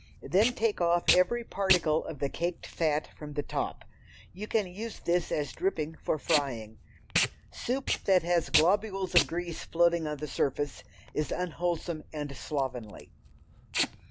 Then take off every particle of the caked fat from the top. You can use this as dripping for frying. Soup that has globules of grease floating on the surface is unwholesome and slovenly.